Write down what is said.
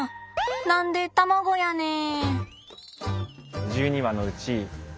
何で卵やねん。